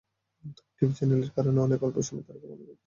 তবে টিভি চ্যানেলের কারণে অনেকে অল্প সময়ে তারকা বনে যেতে চাইছেন।